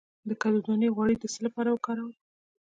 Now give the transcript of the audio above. د کدو دانه غوړي د څه لپاره وکاروم؟